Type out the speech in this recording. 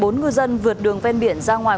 bốn ngư dân vượt đường ven biển ra ngoài